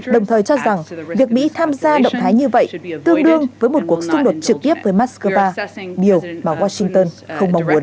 đồng thời cho rằng việc mỹ tham gia động thái như vậy tương đương với một cuộc xung đột trực tiếp với moscow điều mà washington không mong muốn